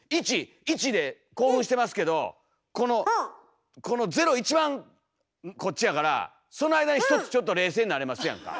１！で興奮してますけどこのこの０一番こっちやからその間にひとつちょっと冷静になれますやんか。